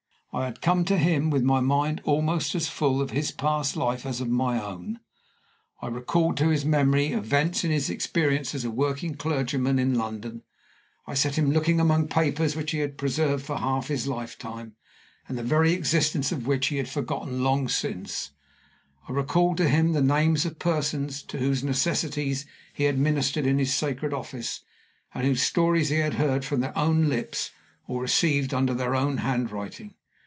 I had come to him with my mind almost as full of his past life as of my own; I recalled to his memory events in his experience as a working clergyman in London; I set him looking among papers which he had preserved for half his lifetime, and the very existence of which he had forgotten long since; I recalled to him the names of persons to whose necessities he had ministered in his sacred office, and whose stories he had heard from their own lips or received under their own handwriting.